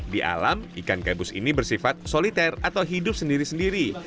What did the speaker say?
di alam ikan gabus ini bersifat soliter atau hidup sendiri sendiri